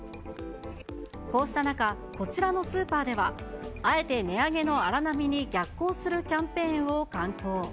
こうした中、こちらのスーパーでは、あえて値上げの荒波に逆行するキャンペーンを敢行。